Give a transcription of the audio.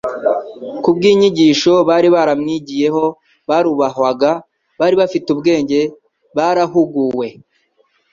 Kubw'ibyigisho bari baramwigiyeho barubahwaga, bari bafite ubwenge, barahuguwe,